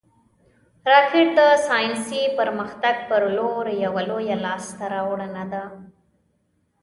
راکټ د ساینسي پرمختګ پر لور یوه لویه لاسته راوړنه ده